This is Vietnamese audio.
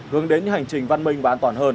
hướng đến những hành trình văn minh và an toàn hơn